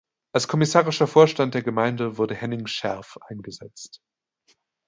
Als kommissarischer Vorstand der Gemeinde wurde Henning Scherf eingesetzt.